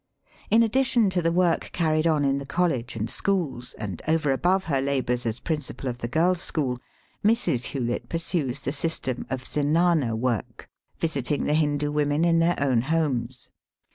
In addition to the work carried on in the college and schools, and over and above her labours as principal of the girls' school, Mrs. Hewlett pursues the system of Zenana work, visiting the Hindoo women in their own homes.